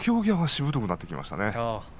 しぶとくなってきましたね。